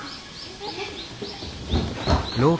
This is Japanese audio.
えっ⁉